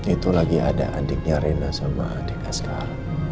itu lagi ada adiknya rina sama adik askara